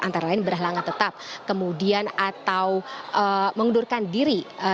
antara lain berhalangan tetap kemudian atau mengundurkan diri